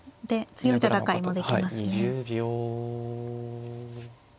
強い戦いもできますね。